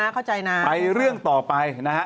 โอเคไปเรื่องต่อไปนะ